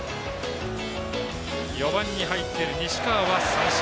４番に入っている西川は三振。